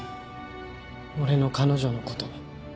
俺の彼女のこと。